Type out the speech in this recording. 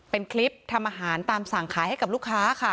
เป็นคลิปทำอาหารตามสั่งขายให้กับลูกค้าค่ะ